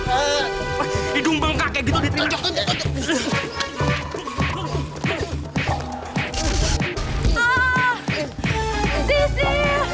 hidung bengkak kayak gitu